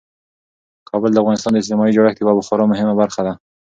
کابل د افغانستان د اجتماعي جوړښت یوه خورا مهمه برخه ده.